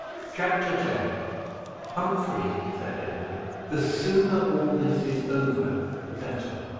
CHAPTER X. "Humphrey," said Edward, "the sooner all this is over the better.